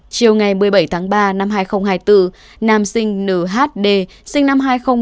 chiều ngày một mươi bảy tháng ba năm hai nghìn hai mươi bốn nam sinh nữ hd sinh năm hai nghìn một mươi